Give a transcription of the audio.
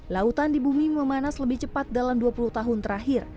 lautan di bumi memanas lebih cepat dalam dua puluh tahun terakhir